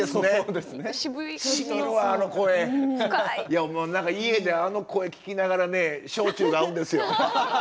いやもう何か家であの声聞きながらね焼酎が合うんですよ。